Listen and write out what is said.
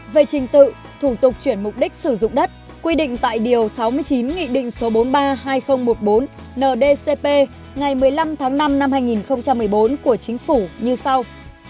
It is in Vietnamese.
về trình tự thủ tục chuyển mục đích sử dụng đất quy định tại điều sáu mươi chín nghị định số bốn mươi ba hai nghìn một mươi bốn ndcp ngày một mươi năm tháng năm năm hai nghìn một mươi bốn của chính phủ như sau